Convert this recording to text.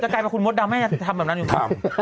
จะกลายไปคุณมดดำไปท่ามันอยู่ไงทำ